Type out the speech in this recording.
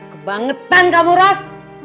kebangetan kamu ras